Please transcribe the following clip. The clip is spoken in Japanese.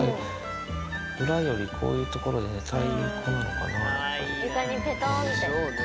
裏よりこういう所で寝たい子なのかな。